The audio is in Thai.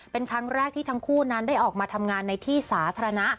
เป็นครั้งแรกที่ทั้งคู่นั้นได้ออกมาทำงานในที่สาธารณะ